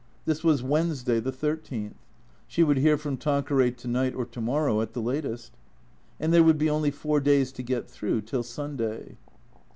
This was Wednesday, the thir teenth. She would hear from Tanqueray to night or to morrow at the latest. And there would be only four days to get through till Sunday.